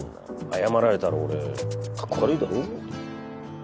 謝られたら俺かっこ悪いだろ。